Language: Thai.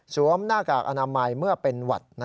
หน้ากากอนามัยเมื่อเป็นหวัด